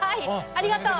ありがとう！